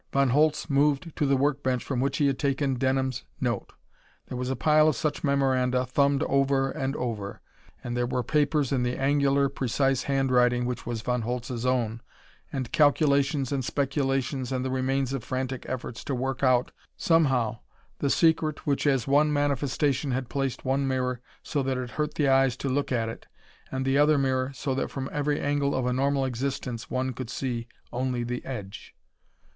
Von Holtz moved to the work bench from which he had taken Denham's note. There was a pile of such memoranda, thumbed over and over. And there were papers in the angular, precise handwriting which was Von Holtz's own, and calculations and speculations and the remains of frantic efforts to work out, somehow, the secret which as one manifestation had placed one mirror so that it hurt the eyes to look at it, and one other mirror so that from every angle of a normal existence, one could see only the edge.